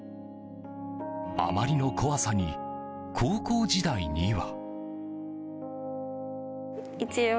あまりの怖さに高校時代には。